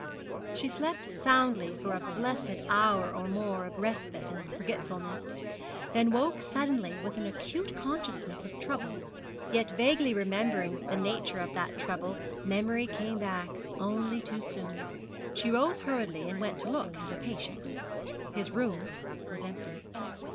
She slept soundly for a blessed hour or more of respite and forgetfulness, then woke suddenly with an acute consciousness of trouble, yet vaguely remembering the nature of that trouble Memory came back only too soon. She rose hurriedly, and went to look at her patient. His room was empty.